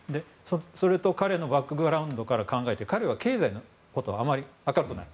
それと彼のバックグラウンドから考えて彼は経済のことはあまり明るくない。